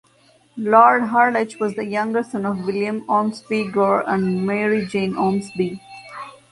Lord Harlech was the younger son of William Ormsby-Gore and Mary Jane Ormsby.